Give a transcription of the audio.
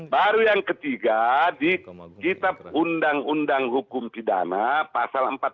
baru yang ketiga di kitab undang undang hukum pidana pasal empat puluh